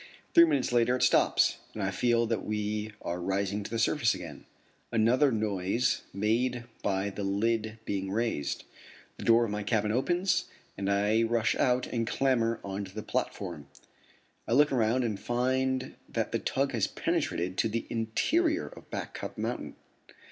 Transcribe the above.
Three minutes later it stops, and I feel that we are rising to the surface again. Another noise made by the lid being raised. The door of my cabin opens, and I rush out and clamber on to the platform. I look around and find that the tug has penetrated to the interior of Back Cup mountain.